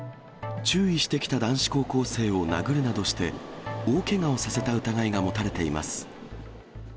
注意してきた男子高校生を殴るなどして、大けがをさせた疑いが持たれています。